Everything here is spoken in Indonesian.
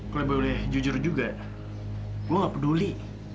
kalau boleh jujur juga gue gak peduli